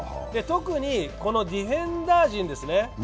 特にディフェンダー陣ですね。